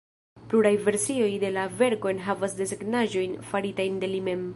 Pluraj versioj de la verko enhavas desegnaĵojn faritajn de li mem.